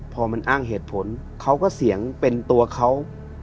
พอมันอ้างเหตุผลเขาก็เสียงเป็นตัวเขา